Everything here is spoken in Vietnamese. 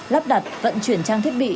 lắp đặt vận chuyển trang thiết bị